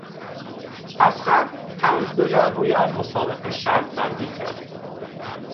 اصغر پنج دلار روی آن مسابقه شرط بندی کرد.